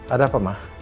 ada apa mak